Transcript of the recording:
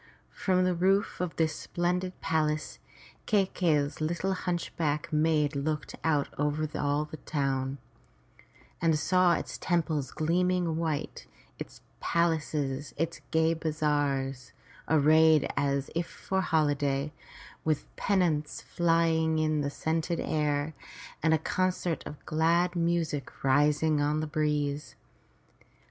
From the roof of this splendid palace, Kai key'i's little hunchbacked maid looked out over all the town, and saw its temples gleaming white, its palaces and gay bazaars arrayed as if for holiday, with pennons flying in the scented air, and concert of glad music rising on the breeze.